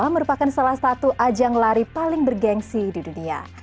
merupakan salah satu ajang lari paling bergensi di dunia